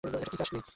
এই কী চাস তুই?